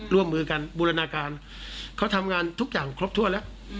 ร่วมมือกันบูรณาการเขาทำงานทุกอย่างครบถ้วนแล้ว